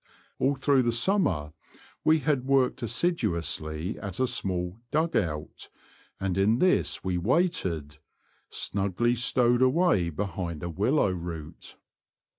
All through the summer we had worked assiduously at a small '^ dug out," and in this we waited, snugly stowed awav behind a willow root.